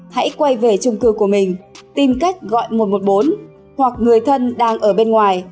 hãy quay về trung cư của mình tìm cách gọi một trăm một mươi bốn hoặc người thân đang ở bên ngoài